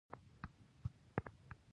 اکثریت افغانان